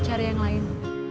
cari yang lain